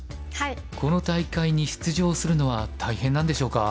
この大会に出場するのは大変なんでしょうか？